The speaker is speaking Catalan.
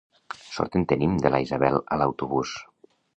Sort en tenim de la Isabel a l'autobús!